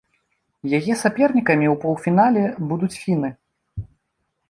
Яе сапернікамі ў паўфінале будуць фіны.